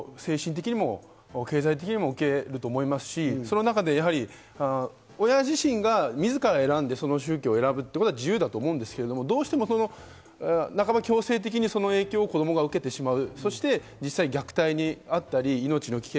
どうしても子供は親の影響、精神的にも経済的にも受けると思いますし、その中で親自身が自ら選んで、その宗教を選ぶのは自由ですけれども、どうしても、半ば強制的にその影響を子供が受けてしまう。